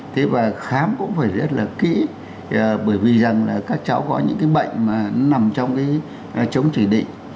thế và khám cũng phải rất là kỹ bởi vì rằng là các cháu có những cái bệnh mà nằm trong cái chống chỉ định